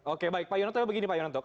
oke baik pak yonanto begini pak yonanto